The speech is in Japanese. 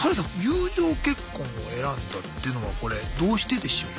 友情結婚を選んだっていうのはこれどうしてでしょう？